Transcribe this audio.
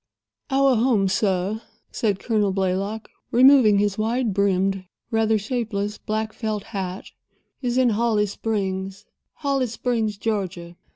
"Our home, sir," said Colonel Blaylock, removing his wide brimmed, rather shapeless black felt hat, "is in Holly Springs—Holly Springs, Georgia.